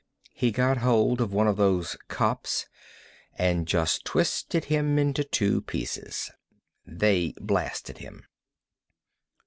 He got hold of one of those cops and just about twisted him into two pieces. They blasted him."